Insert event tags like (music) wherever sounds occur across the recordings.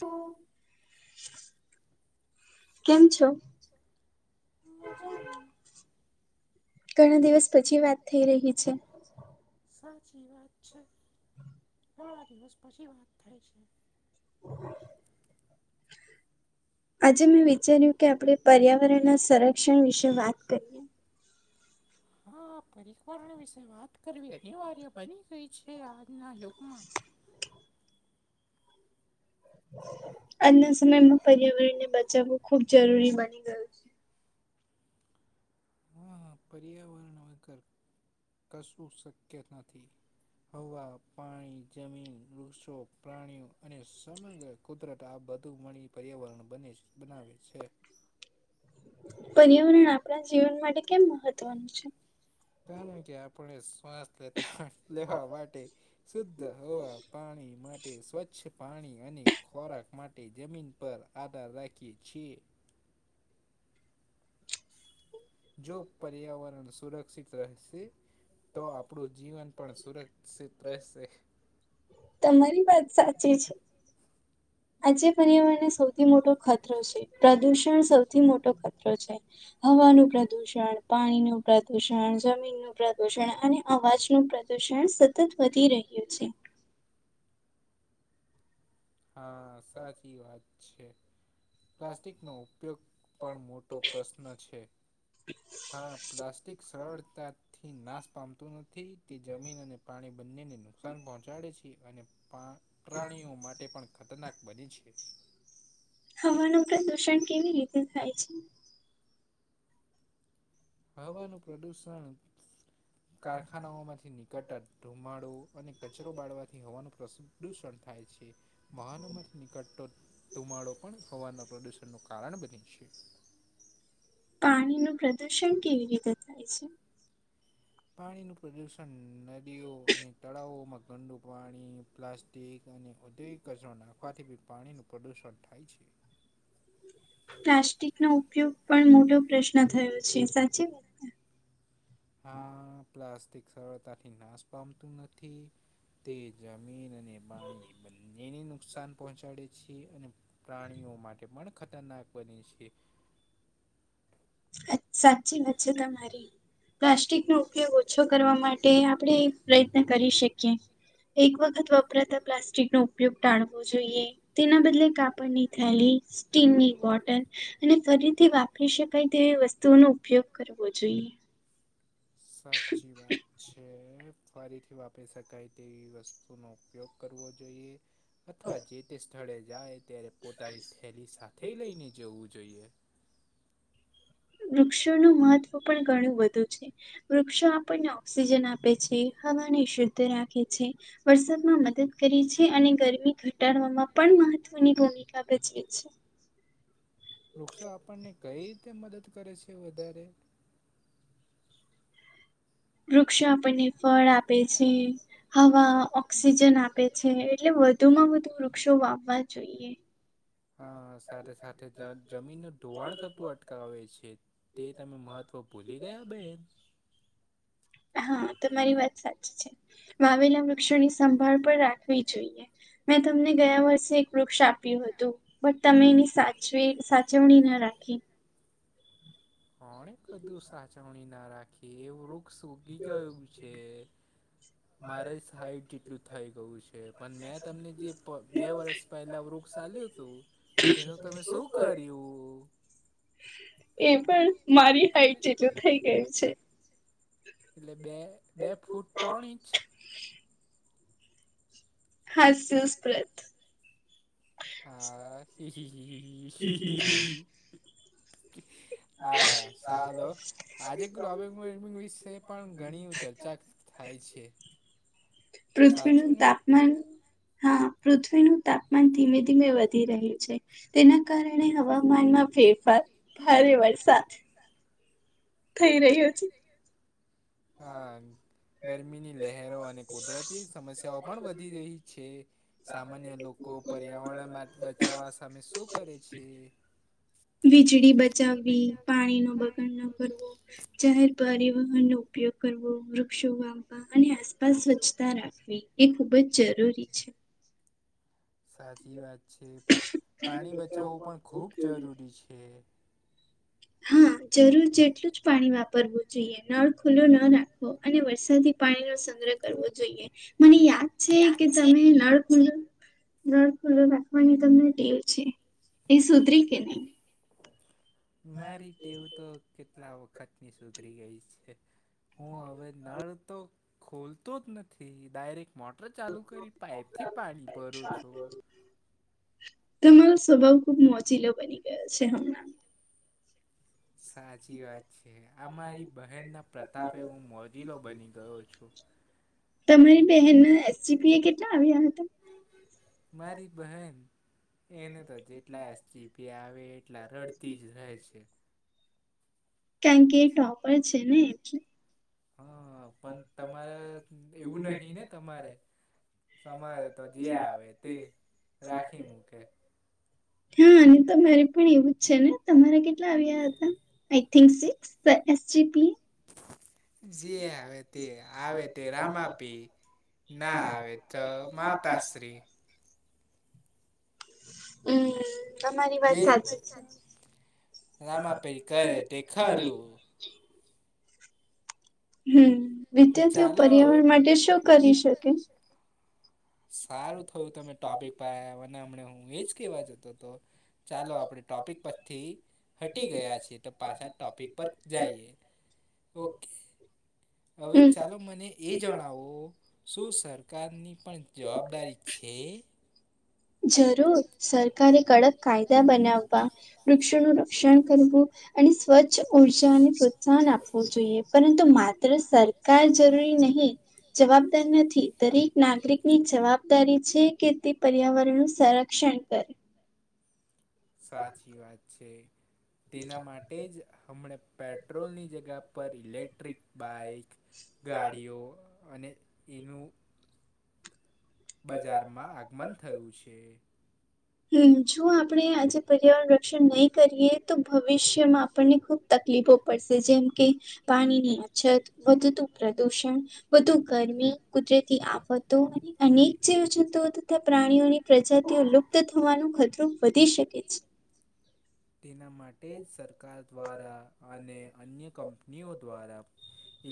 ઓ કેમ છો? મજા મા. ઘણા દિવસ પછી વાત થઈ રહી છે. સાચી વાત છે, ઘણા દિવસ પછી વાત થાય છે. (inaudible) આજે મેં વિચાર્યું કે આપણે પર્યાવરણના સંરક્ષણ વિશે વાત કરી હા પરિકર્ણ વિશે વાત કરવી અનિવાર્ય બની ગઈ છે આજના યુગમાં. આજના સમયમાં પર્યાવરણ ને બચાવવું ખુબ જરૂરી બની ગયું છે. હા પર્યાવરણ વગર કશું શક્ય નથી. હવા, પાણી, જમીન, વૃક્ષો, પ્રાણીઓ અને સમગ્ર કુદરત આ બધું મળી પર્યાવરણ બને બનાવે છે. પર્યાવરણ આપણા જીવન માટે કેમ મહત્વનું છે? કારણ કે આપણે શ્વાસ લેતા લેવા માટે શુદ્ધ હવા, પાણી માટે સ્વચ્છ પાણી અને ખોરાક માટે જમીન પર આધાર રાખીએ છીએ. જો પર્યાવરણ સુરક્ષિત રહેશે તો આપણું જીવન પણ સુરક્ષિત રહેશે. તમારી વાત સાચી છે. આજે પર્યાવરણને સૌથી મોટો ખતરો છે, પ્રદુષણ સૌથી મોટો ખતરો છે. હવાનુંનું પ્રદુષણ, પાણીનું પ્રદુષણ, જમીન નુ પ્રદુષણ અને અવાજ નું પ્રદુષણ સતત વધી રહ્યું છે. હા સાચી વાત છે. પ્લાસ્ટિકનો ઉપયોગ પણ મોટો પ્રશ્ન છે. (inaudible) હા પ્લાસ્ટિક સરળતાથી નાશ પામતું નથી, તે જમીન અને પાણી બંનેને નુકસાન પહોંચાડે છે, અને પા પ્રાણીઓ માટે પણ ખતરનાક બની છે. હવાનું પ્રદુષણ કેવી રીતે થાય છે. હવાનું પ્રદુષણ કારખાનાઓમાંથી નીકળ કટર ધુમાડો અને કચરો બાળવાથી હવાનું પ્રદૂષણ થાય છે. વાહનોમાંથી નીકળતો ધુમાડો પણ હવાના પ્રદુષણનું કારણ બને છે. પાણી નું પ્રદુષણ કેવી રીતે થાય છે. પાણીનું પ્રદુષણ નદીઓ અને તળાવોમાં ગંડુ પાણી પ્લાસ્ટ તેગ અને ઉદ્યોગિક કચરો નાખવાથી બી પાણીનું પ્રદુષણ થાય છે. પ્લાસ્ટિક નો ઉપયોગ પણ મોટો પ્રશ્ન થયો છે સાચી વાત હા પ્લાસ્ટિક સરળતાથી નાશ પામતું નથી. તે જમીન અને પાણી બંનેને નુકસાન પહોંચાડે છે અને પ્રાણીઓ માટે પણ ખતરનાક બને છે. સાચી વાત છે તમારી પ્લાસ્ટિકનો ઉપયોગ ઓછો કરવા માટે આપણે પ્રયત્ન કરી શકીએ. એક વખત વપરાતા પ્લાસ્ટિક નો ઉપયોગ ટાળવો જોઈએ. તેના બદલે કાપડની થાલી સ્ટીમની વોટર અને ફરીથી વાપરી શકે કઈ તેવી વસ્તુઓનો ઉપયોગ કરવો જોઈએ. સાચી વાત છે. ફરીથી વાપરી શકાય તેવી વસ્તુનો ઉપયોગ કરવો જોઈએ. અથવા જે તે સ્થળે જાય ત્યારે પોતાની થેલી સાથે લઈને જવું જોઈએ. વૃક્ષોનું મહત્વ પણ ઘણું બધું છે. વૃક્ષો આપણને ઓક્સિજન આપે છે હવાને શુદ્ધ રાખે છે. વરસાદમાં મદદ કરી છે અને ગરમી ઘટાડવામાં પણ મહત્વની ભૂમિકા ભજવે છે. વૃક્ષો આપણને કઈ રીતે મદદ કરે છે વધારે વૃક્ષો આપણને ફળ આપે છે, હવા, ઓક્સિજન આપે આપે છે એટલે વધુ માં વધુ વૃક્ષો વાવવા જોઈએ. હા સાથે સાથે જમીનનું ધોવાણ થતું અટકાવે છે. તે તમે મહત્ત્વ ભૂલી ગયા બેન હા તમા મારી વાત સાચી છે વાવેલા વૃક્ષોની સંભાળ પણ રાખવી જોઈએ મેં તમને ગયા વર્ષે એક વૃક્ષ આપ્યું હતું. બ તમે એની સાચવી સાચવણી ના રાખી કોણે કધું સાચવણી ના રાખી એ વૃક્ષ ઉકી ગયું છે. (unintelligible) મારે જ હાઈટ જેટલું થઈ ગયું છે પણ મેં તમને જે પ બે વર્ષ પહેલા વૃક્ષ આલ્યું હતું પેનું તમે શું કર્યું એ પણ મારી હાઈટ જેટલું થઈ ગયું છે. એટલે બે બે ફૂટ ત્રણ ઇંચ હાસ્ય સ્મૃત હા હી હી હી હી હી હી હા સાધું આજે ગ્લોબલ વોર્મિંગ વિશે પણ ઘણી ચર્ચા થાય છે. સાચું પૃથ્વીનું ને તાપ હા પૃથ્વીનું તાપમાન ધીમે ધીમે વધી રહ્યું છે. તેના કારણે હવામાનમાં ફેરફાર, ભારે વરસાદ થઈ રહ્યો છે. હા ગરમીની લહેરો અને કુદરતી સમસ્યાઓ પણ વધી રહી છે. સામાન્ય લોકો પર્યાવરણ માટે બચાવવા સામે શું કરે છે. વીજળી બચાવવી, પાણી નો બગાડ ન કરવો જાહેર પરિવહનનો ઉપયોગ કરવો વૃક્ષોવા અને આસપાસ સ્વચ્છતા રાખવી એ ખુબ જ જરૂરી છે. સાચી વાત છે, પાણી બચાવવું પણ ખૂબ જરૂરી છે. હા, જરૂર જેટલું જ પાણી વાપરવું જોઈએ નળ ખુલ્લો ન રાખવો અને વરસાદીથી પાણી નો સંગ્રહ કરવો જોઈએ, મને યાદ છે. કે તમે નળ ફર ફૂલો રાખવાની તમનેટેવ છે. એ સુધરી કે નહી મારી ટેવું તો કેટલા વખતની સુધરી ગઈ છે. હું, હવે નળ તો ખોલતો જ નથી ડાયરેક્ટ મોટર ચાલુ, કરી પાઈપ થી પાણી ભરોું છું. તમારો સ્વભાવ ખુબ મોચલો બની ગયો છે. હમણાં સાચી વાત છે, આ મારી બહેનના પ્રતાપે હું મોરીલો બની ગયો છુ. તને બે સીપી એ કેટલા આવ્યા હતા મારી બહેન એને તો જેટલા ચીબી આવે એટલા રડતી જ રહે છે. કારણ કે એ ટોપર છેને, એમ છે. હા, પણ તમારે એવું નહી, ને તમારે તમારે તો જે આવે તે રાખી મૂકે હા અને તમારે પણ એવું જ છેને, તમારે કેટલા આવ્યા હતા આઈ, થિંક સ એસ જી પી જે હવે તે આવે તે રામાપી ના હ તો માતાશ્રી હમ્મ તમારી વાત જે સાચી છે. રામાપીર કરે તે ખરું હમ, વિદ્યાર્થીઓ પર્યાવરણ માટે શું કરી શકે સારું થયું તમે ટોપિક પા અને હમ, હું એજ કેવા જતો હતો ચાલો આપણે ટોપિક પરથી હટી ગયા છીએ, તો પાછા ટોપિક પર જઈએ ઓકે હવે, હમ ચાલો મને એ જણાવો શું સરકારની પણ જવાબદારી છે. જરૂર સરકારે કડક કાયદા બનાવવા વૃક્ષોનું રક્ષણ કરવું અને સ્વચ્છ ઉઊર્જાને પ્રોત્સાહન આપવું જોઈએ પરંતુ માત્ર સરકાર જરૂરી નહી. જવાબદાર નથી દરેક નાગરિક ની જવાબદારી છે. કે તે પર્યાવરણ નું સંરક્ષણ કરે સાચી વાત છે, તેના માટે જ હમણા પેટ્રોલની જગા પર ઇલેક્ટ્રિક બાઈક ગાડીઓ અને એનુ બજારમાં આગમન થયું છે. હમ જો આપણે આજે પર્યાવરણ રક્ષણ નહી કરીએ તો ભવિષ્યમાં આપણને ખુબ તકલીફો પડશે જેમ કે પાણીની અછત, વધતું પ્રદુષણ વધુ ગરમી કુદરતી આફતો અને અનેક જેવ જંતુઓ તથા પ્રાણીઓની પ્રજાતિઓ લુપ્ત થવાનો ખતરો વધી શકે છે. તેના માટે જ સરકાર દ્વારા અને અન્ય કંપનીઓ દ્વારા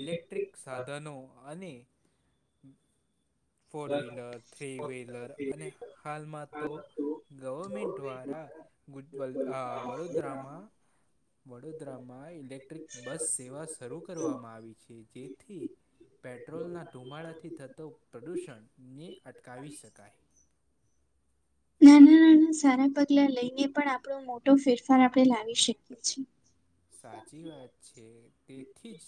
ઇલેક્ટ્રિક સાધનો અને ફોર વ્હીલર થ્રી વ્હીલર અને હાલમાં તો ગવર્મેન્ટ દ્વારા ગુજ વલ વડોદરામાં વડોદરામાં ઇલેક્ટ્રિક બસ સેવા શરૂ કરવામાં આવી છે, જેથી પેટ્રોલના ધુમાડાથી થતો પ્રદૂષણને અટકાવી શકાય નાના-નાના સારા પગલા લઈને પણ આપણો મોટો ફેરફાર આપણે લાવી શકીએ છીએ. સાચી વાત છે તેથી જ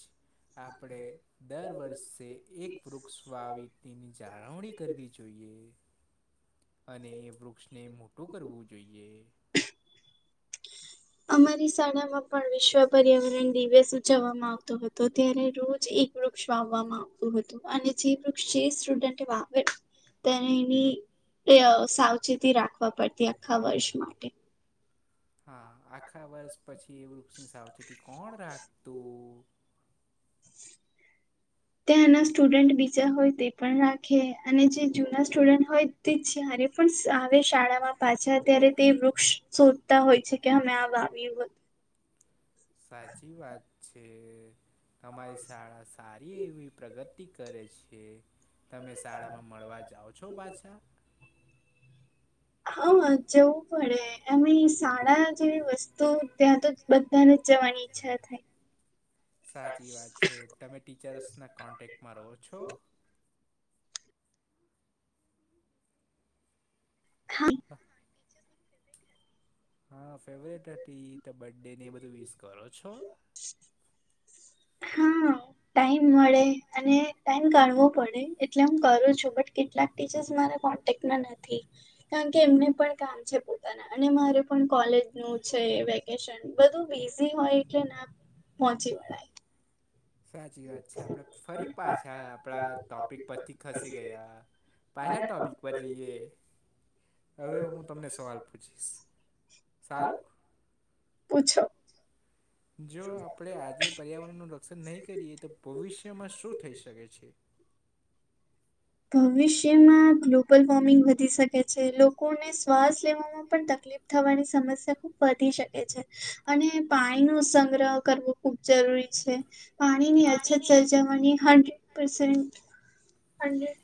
આપણે દર વર્ષે એક વૃક્ષ વાવિતીની જાળવણી કરવી જોઈએ (inaudible) અને વૃક્ષને મોટું કરવું જોઈ. અમારી શાળામાં પણ વિશ્વ પર્યાવરણ દિવસ ઉજવવામાં આવતો હતો. તો ત્યારે રોજ એક વૃક્ષ આવવવામાં આવતું હતું. અને જે વૃક્ષ છેસુડન્ટે બાબ તનેની સાવચેતી રાખવા પડતી આખા વર્ષ માટે હા આખા વર્ષ પછી એ વૃક્ષની સાવચેતી કોણ રાખતું. ત્યાંના સ્ટુડન્ટ બીજા હોય તે પણ રાખે અને જે જૂના સ્ટુડન્ટ હોય તે જ્યારે પણ હ શાળામાં પાછા અત્યારે તે વૃક્ષ શોધતા હોય છે કે અમે આ વાવ્યું. સાચી વાત છે. તમારી શાળા સારી એવી પ્રગતિ કરે છે. તમે શાળામાં મળવા જાઓ છો પાછા. હા જવું પડે અમે શાળા જેવી વસ્તુ ત્યાં તો બધાને જ જવાની ઈચ્છા થાય. સાચી વાત છે તમે ટીચર્સના કોન્ટેક્ટમાં રહો છો. હા હ હા ફેવરેટ હતી તો બડ્ ડે ને એ બધું વિીસ કરો છો. હા ટાઈમ મળે અને ટમ ગણવો પડે એટલે હું કરું છું બટ કેટલાક કોેક નથી કારણ કે એમને પણ કામ છે પોતાના અને મારે પણ કોલેજ નું છે વેકેશન બધું બિઝી હોય એટલે ના પહોંચી વળાય. સાચી વાત છે આપણે ફરી પાછા આપણા ટોપિક પરથી ખસી ગયા. પહેલા ટોપિક પર જઈએ હવે હું તમને સવાલ પૂછીશ સારું પૂછો. જો આપણે આજે પર્યાવરણનું રક્ષણ નહીં કરીએ તો ભવિષ્યમાં શું થઈ શકે છે. ભવિષ્યમાં ગ્લોબલ વોર્મિંગ વધી શકે છે લોકોને શ્વાસ લેવામાં પણ તકલીફ થવાની સમસ્યા ખૂબ વધી શકે છે અને પાણી ન સંગ્રહ કરવો ખૂબ જરૂરી પાણીની અછત સર્જવાનીડ.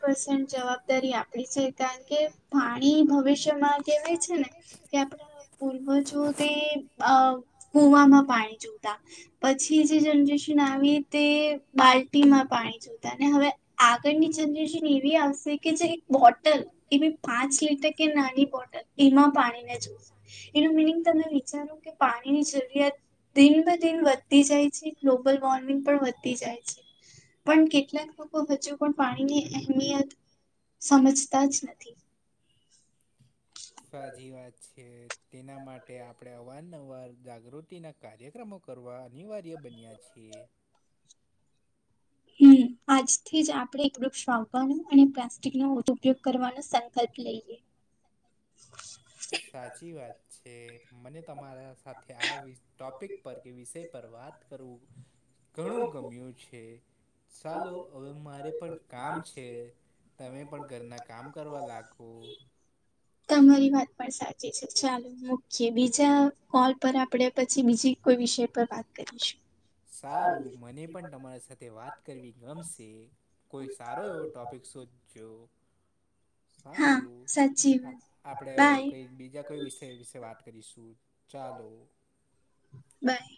પસ જવાબદારી આપડી છે કારણ કે પાણી ભવિષ્યમાં કેહેવાય છે ને કે આપ પૂર્વજો તે કુવામાં પાણી જોતા. પછી જે જનરેશન આવી તે બાલ્ટીમાં પાણી જોતા ને હવે આગળની જનરેશન એવી આવશે કે જે એક બોટલ એ પાંચ લીટર કે નાની બોટલ એમાં પાણી એનું મિનિંગ તમે વિચારો કે પાણીની જરૂરિયાત દિન બ દિન વધતી જાય છે ગ્લોબલ વોર્મિંગ પણ વધતી જાય છે. પણ કેટલાક લોકો હજુ પણ પાણીની અહેમિયત સમજતા જ નથી. સાજીી વાત છે. તેના માટે આપણે અવારનવાર જાગૃતિના કાર્યક્રમો કરવા અનિવાર્ય બન્યા છીએ હમ આજથી જ આપડણે એકડું શવવાનો અને પ્લાસ્ટિક નો ઉપયોગ કરવાનો સંકલ્પ લઈએ. બ સાચી વાત છે મને તમારા સાથે આ ટૉપિક પર કે વિષય પર વાત કરવું ઘણું ગમ્યું છે. ચાલો હવે મારે પણ કામ છે. તમે પણ ઘરના કામ કરવા લાગો. તમારી વાત પણ સાચી છે ચાલો મુખ્ય બીજા કોલ પર આપણેે પછી બીજી કોઈ વિષય પર વાત કરીશું. સારું મને પણ તમારા સાથે વાત કરવી ગમશે કોઈ સારો એવો ટોપિક શોધજો. હા સારું સાચી વાત આપડે હવે બાય કઈક બીજા કોઈ વિષય વિશે વાત કરીશું ચાલો બાય